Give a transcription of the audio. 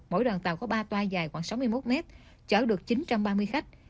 mỗi đoàn tàu có ba toa dài khoảng sáu mươi một mét chở được chín trăm ba mươi khách